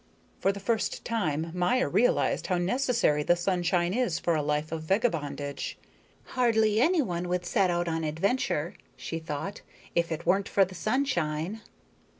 For the first time Maya realized how necessary the sunshine is for a life of vagabondage. Hardly anyone would set out on adventure, she thought, if it weren't for the sunshine.